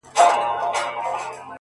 • خدايه هغه زما د کور په لار سفر نه کوي،